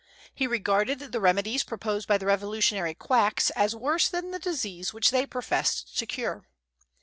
He regarded the remedies proposed by the Revolutionary quacks as worse than the disease which they professed to cure.